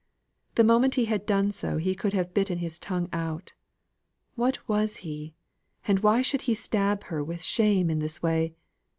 The moment he had done so, he could have bitten his tongue out. What was he? And why should he stab her with her shame in this way?